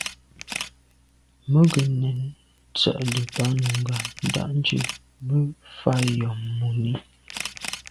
Mə́ gə nɛ̄n tsjə́ə̀də̄ bā núngā ndà’djú mə́ fá yɔ̀ mùní.